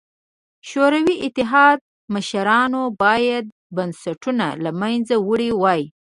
شوروي اتحاد مشرانو باید بنسټونه له منځه وړي وای.